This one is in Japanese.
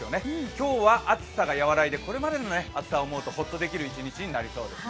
今日は暑さが和らいで、これまでの暑さを思うとほっとできる一日になりそうです。